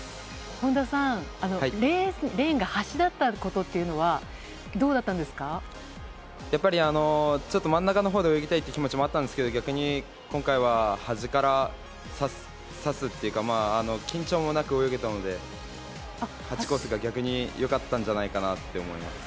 本多さんレーンが端だったということはやっぱり、真ん中のほうで泳ぎたいという気持ちはあったんですが逆に今回は端からさすというか緊張もなく泳げたので８コースが逆に良かったんじゃないかなと思います。